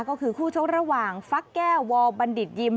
ก็คือคู่ชกระหว่างฟักแก้ววบัณฑิตยิม